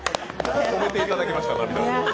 止めていただきました、涙を。